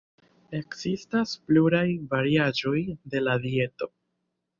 Ekzistas pluraj variaĵoj de la dieto.